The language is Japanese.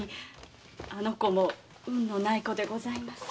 あの子も運のない子でございます。